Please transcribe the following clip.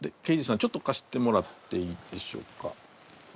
ちょっとかしてもらっていいでしょうか。